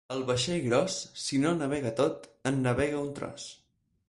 El vaixell gros, si no navega tot, en navega un tros.